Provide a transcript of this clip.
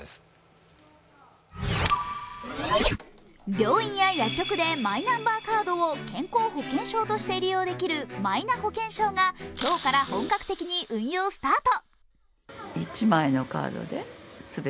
病院や薬局でマイナンバーカードを健康保険証として利用できるマイナ保険証が今日から本格的に運用スタート。